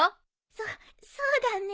そそうだね。